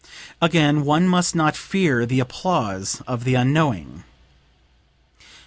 Again, one must not fear the applause of the unknowing."